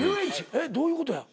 えっどういうことや？